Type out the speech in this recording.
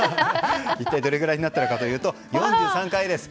一体どれぐらいになったのかというと、４３回です。